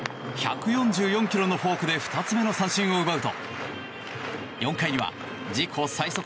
１４４ｋｍのフォークで２つ目の三振を奪うと４回には自己最速